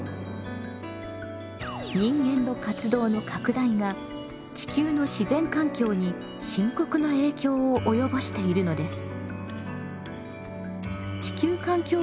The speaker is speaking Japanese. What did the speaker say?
人間の活動の拡大が地球の自然環境に深刻な影響を及ぼしているのです。